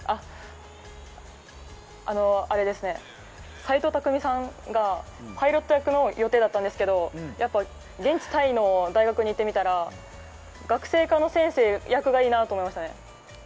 斎藤工さんがパイロット役の予定だったんですけどやっぱり現地タイの大学に行ってみたら学生科の先生役がいいなと思いましたね。